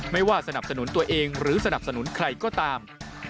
ไม่ว่าสนับสนุนตัวเองหรือสนับสนุนใครก็ตาม